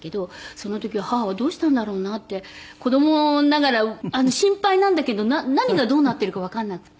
その時母はどうしたんだろうなって子供ながら心配なんだけど何がどうなっているかわかんなくて。